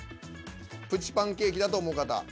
プチパンケーキだと思う方。